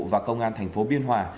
và công an thành phố biên hòa